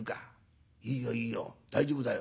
いいよいいよ大丈夫だよ。